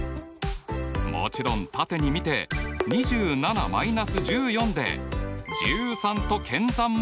もちろん縦に見て２７−１４で１３と検算もできます！